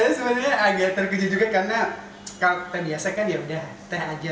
rasanya sebenarnya agak terkejut juga karena kalau tem biasa kan yaudah teh aja